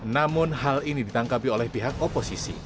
namun hal ini ditangkapi oleh pihak oposisi